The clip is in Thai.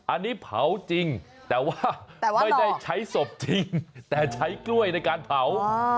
อันนี้เผาจริงแต่ว่าไม่ได้ใช้ศพจริงแต่ใช้กล้วยในการเผา